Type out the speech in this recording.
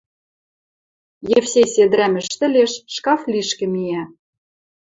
Евсей седӹрӓм ӹштӹлеш, шкаф лишкӹ миӓ.